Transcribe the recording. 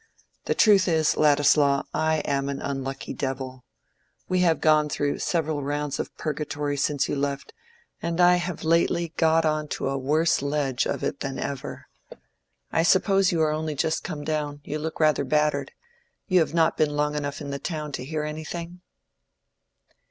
The truth is, Ladislaw, I am an unlucky devil. We have gone through several rounds of purgatory since you left, and I have lately got on to a worse ledge of it than ever. I suppose you are only just come down—you look rather battered—you have not been long enough in the town to hear anything?"